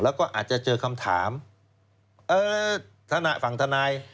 แล้วก็อาจจะเจอคำถามเออธนฝั่งทนาย